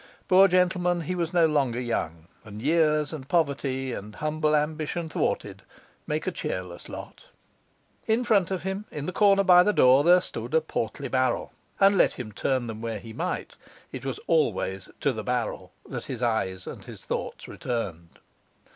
Poor gentleman, he was no longer young; and years, and poverty, and humble ambition thwarted, make a cheerless lot. In front of him, in the corner by the door, there stood a portly barrel; and let him turn them where he might, it was always to the barrel that his eyes and his thoughts returned.